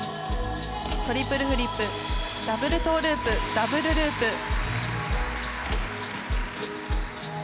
トリプルフリップダブルトウループダブルループ。